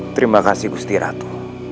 terima kasih gusti ratu